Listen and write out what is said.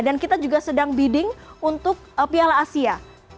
dan kita juga sedang bidding untuk piala asia